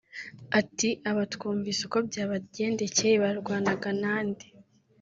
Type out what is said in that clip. Ati “Aba twumvise uko byabagendekeye barwanaga na nde